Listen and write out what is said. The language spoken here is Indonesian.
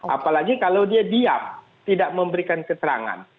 apalagi kalau dia diam tidak memberikan keterangan